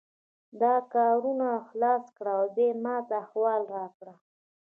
دا کارونه خلاص کړه او بیا ماته احوال راکړه